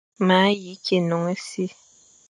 Ma yi kù énon e si.